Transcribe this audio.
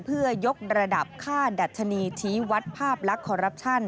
เพื่อยกระดับค่าดัชนีชี้วัดภาพลักษณ์คอรัปชั่น